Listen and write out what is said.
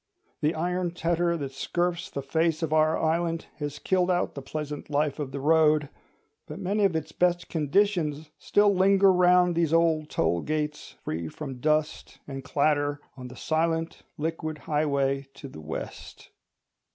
The iron tetter that scurfs the face of our island has killed out the pleasant life of the road; but many of its best conditions still linger round these old toll gates, free from dust and clatter, on the silent liquid Highway to the West.